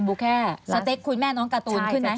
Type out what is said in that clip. บุแค่สเต็กคุณแม่น้องการ์ตูนขึ้นไหม